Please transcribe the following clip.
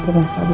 terus saya juga